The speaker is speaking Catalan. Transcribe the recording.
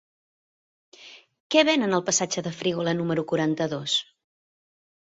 Què venen al passatge de Frígola número quaranta-dos?